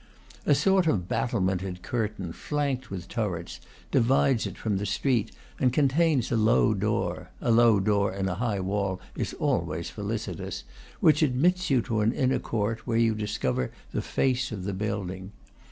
A sort of battlemented curtain, flanked with turrets, divides it from the street and contains a low door (a low door in a high wall is always felicitous), which admits you to an inner court, where you discover the face of the building.